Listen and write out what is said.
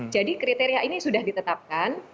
jadi kriteria ini sudah ditetapkan